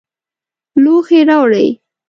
لوښي راوړئ